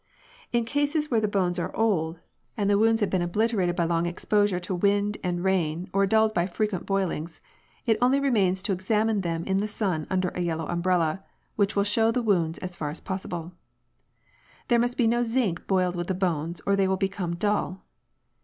In cases where the bones are old and the wounds have INQUESTS. 183 been obliterated by long exposure to wind and rain or dulled by frequent boilings, it only remains to examine them in the sun under a yellow umbrella, which will show the wounds as far as possible. " There must be no zinc boiled with the bones or they will become dull.